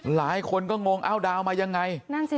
หลายคนก็งงเอ้าดาวมายังไง